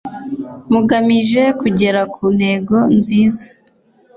mugamije kugera ku ntego nziza